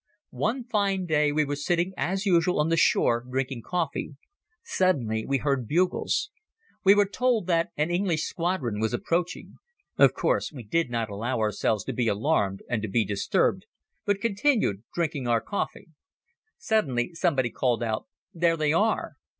One fine day we were sitting as usual on the shore drinking coffee. Suddenly we heard bugles. We were told that an English squadron was approaching. Of course we did not allow ourselves to be alarmed and to be disturbed, but continued drinking our coffee. Suddenly somebody called out: "There they are!"